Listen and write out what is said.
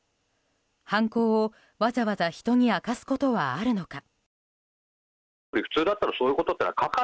犯行をわざわざ人に明かすことはあるのか。